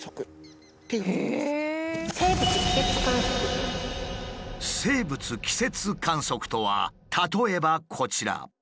生物季節観測とは例えばこちら。